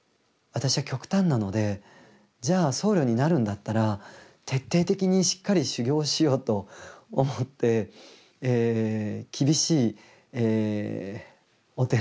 私は極端なのでじゃあ僧侶になるんだったら徹底的にしっかり修行しようと思って厳しいお寺に入りたいと。